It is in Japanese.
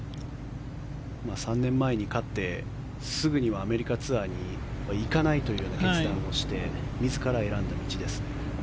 ３年前に勝ってすぐにはアメリカツアーに行かないという決断をして自ら選んだ道です。